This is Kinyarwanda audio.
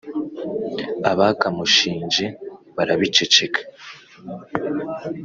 abakamushinje barabiceceka